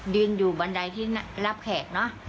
ยืนอยู่บันไดที่รับแขกเนอะ